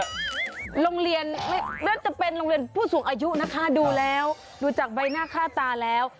โรงเรียนไม่น่าจะเป็นโรงเรียนผู้สูงอายุนะคะดูแล้วดูจากใบหน้าค่าตาแล้ว